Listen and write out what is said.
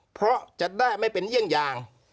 เพราะจะได้ไม่เป็นเยี่ยงอย่าง